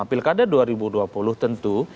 pilkada dua ribu dua puluh tentu